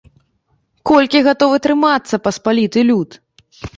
Колькі гатовы трымацца паспаліты люд?